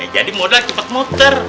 jadi modal cepet muter